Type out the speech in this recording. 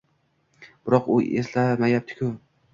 Biroq u eslamayaptiku.